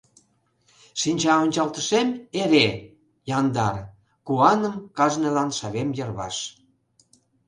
Шинчаончалтышем эре — яндар, Куаным кажнылан шавем йырваш.